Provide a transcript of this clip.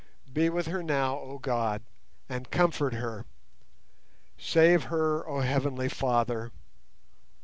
Be with her now, oh God, and comfort her! Save her, oh Heavenly Father!